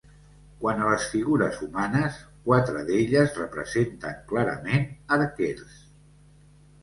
Quant a les figures humanes, quatre d'elles representen clarament arquers.